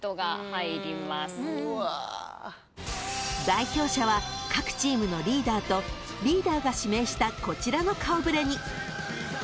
［代表者は各チームのリーダーとリーダーが指名したこちらの顔ぶれに］